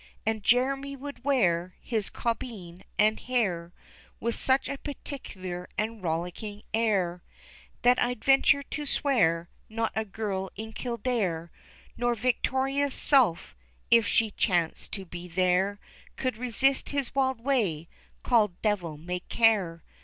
And Jemmy would wear His caubeen and hair With such a peculiar and rollicking air, That I'd venture to swear Not a girl in Kildare Nor Victoria's self, if she chanced to be there, Could resist his wild way called "Devil may care."